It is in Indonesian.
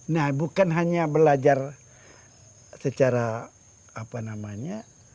nah bukan hanya belajar secara apa namanya